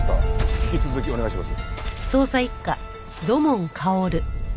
引き続きお願いします。